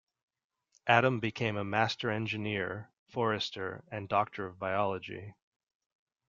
Adam became a Master Engineer, forester and Doctor of Biology.